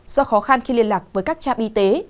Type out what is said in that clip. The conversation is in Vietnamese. do khó khăn khi liên lạc với các trạm y tế